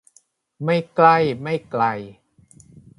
ไม่ใกล้ไม่ไกล